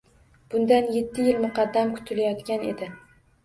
Bundan yetti yil muqaddam kutilayotgan edi.